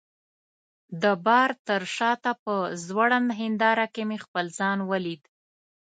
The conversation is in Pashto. د بار تر شاته په ځوړند هنداره کي مې خپل ځان ولید.